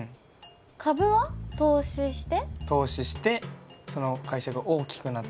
株は投資して。